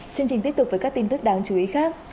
chương trình tiếp tục với các tin tức đáng chú ý khác